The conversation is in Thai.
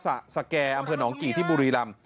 สแก่อำเภอหนองกี่ที่บุรีรำ